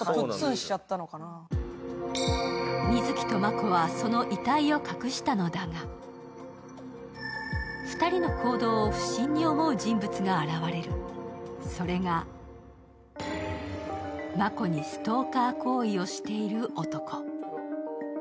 美月と真子はその遺体を隠したのだが、２人の行動を不審に思う人物が現れる、それが真子にストーカー行為をしている男。